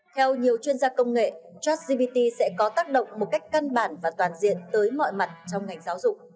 theo nhiều chuyên gia công nghệ chasgpt sẽ có tác động một cách cân bản và toàn diện tới mọi mặt trong ngành giáo dục